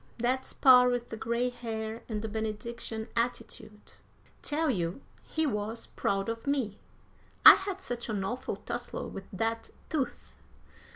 That's par with the gray hair and the benediction attitude. Tell you, he was proud of me! I had such an awful tussle with that tooth!